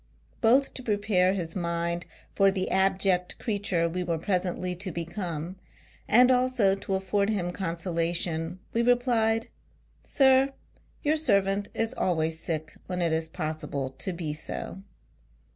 Both to prepare his mind for the abject creature we were pre sently to become, and also to aiford him con solation, we replied, "Sir, your servant is always sick when it is possible to be so."